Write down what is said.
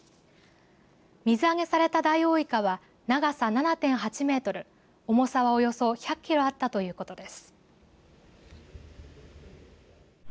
水揚げされたダイオウイカは長さ７．８メートル重さは、およそ１００キロあったということです。